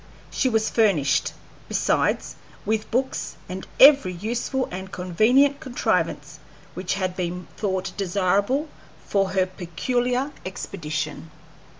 She was furnished, besides, with books and every useful and convenient contrivance which had been thought desirable for her peculiar expedition.